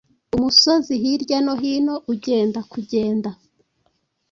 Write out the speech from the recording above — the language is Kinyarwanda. Umusozi hirya no hino Ugenda kugenda